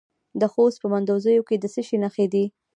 د خوست په مندوزیو کې د څه شي نښې دي؟